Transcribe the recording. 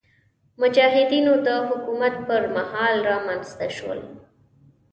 مجاهدینو د حکومت پر مهال رامنځته شول.